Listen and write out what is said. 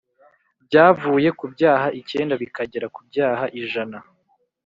byavuye ku byaha icyenda bikagera kubyaha ijana